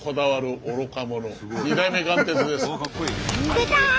出た！